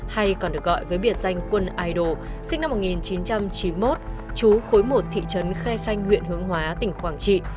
hay còn được gọi với biệt danh quân idol sinh năm một nghìn chín trăm chín mươi một chú khối một thị trấn khe xanh huyện hướng hóa tỉnh quảng trị